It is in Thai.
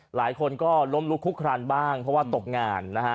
หลายคนก็ล้มลุกคุกคลานบ้างเพราะว่าตกงานนะฮะ